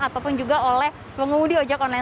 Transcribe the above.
ataupun juga oleh pengemudi ojek online